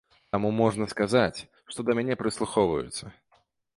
Таму можна сказаць, што да мяне прыслухоўваюцца.